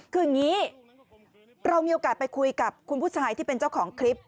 คืออย่างนี้เรามีโอกาสไปคุยกับคุณผู้ชายที่เป็นเจ้าของคลิป